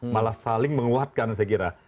malah saling menguatkan saya kira